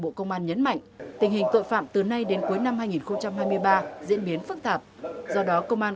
bộ công an nhấn mạnh tình hình tội phạm từ nay đến cuối năm hai nghìn hai mươi ba diễn biến phức tạp do đó công an